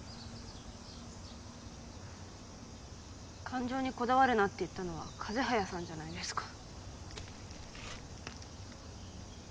感情にこだわるなって言ったのは風早さんじゃないですか。